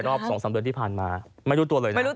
๒๓เดือนที่ผ่านมาไม่รู้ตัวเลยนะ